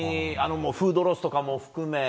フードロスとかも含め。